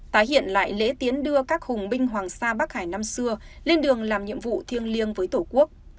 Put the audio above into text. tái hiện lại lễ tiến đưa các hùng binh hoàng sa bắc hải năm xưa lên đường làm nhiệm vụ thiêng liêng với tổ quốc